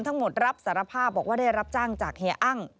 รับสารภาพบอกว่าได้รับจ้างจากเฮียอ้าง